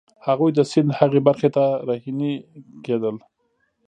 هغوی د سیند هغې برخې ته رهنيي کېدل.